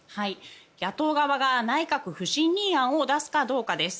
野党側が内閣不信任案を出すかどうかです。